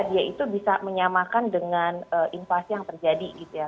dia itu bisa menyamakan dengan inflasi yang terjadi gitu ya